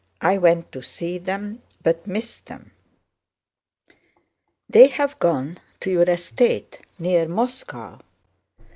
I went to see them, but missed them. They have gone to your estate near Moscow."